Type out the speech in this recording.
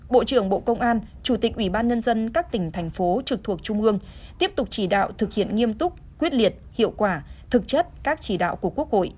bộ trưởng bộ công an chủ tịch ủy ban nhân dân các tỉnh thành phố trực thuộc trung ương tiếp tục chỉ đạo thực hiện nghiêm túc quyết liệt hiệu quả thực chất các chỉ đạo của quốc hội